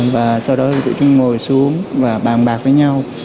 và sau đó thì tụi chúng ngồi xuống và bàn bạc với nhau